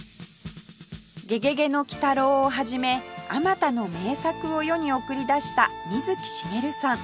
『ゲゲゲの鬼太郎』をはじめ数多の名作を世に送り出した水木しげるさん